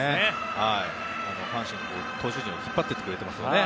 阪神の投手陣を引っ張っていってくれていますよね。